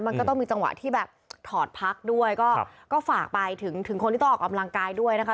มันก็ต้องมีจังหวะที่แบบถอดพักด้วยก็ฝากไปถึงคนที่ต้องออกกำลังกายด้วยนะคะ